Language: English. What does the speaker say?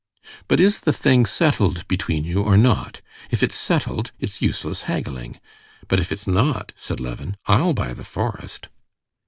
"But is the thing settled between you or not? If it's settled, it's useless haggling; but if it's not," said Levin, "I'll buy the forest."